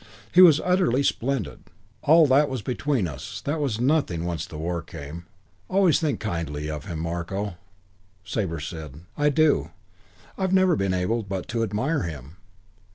He was utterly splendid. All that was between us, that was nothing once the war came. Always think kindly of him, Marko." Sabre said, "I do. I've never been able but to admire him."